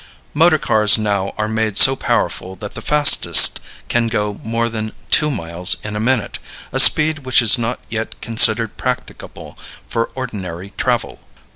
Motor cars now are made so powerful that the fastest can go more than two miles in a minute a speed which is not yet considered practicable for ordinary travel.